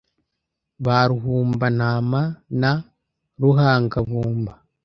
Ba Ruhumba-ntama na Ruhanga-mbuga